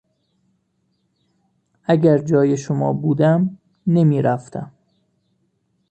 اگر جای شما بودم، نمیرفتم.